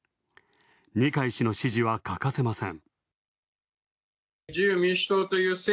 二階氏の支持は欠かせません。